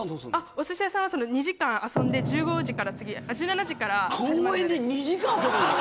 お寿司屋さんは２時間遊んで１５時から次１７時から公園で２時間遊ぶの？